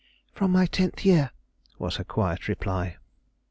"From my tenth year," was her quiet reply.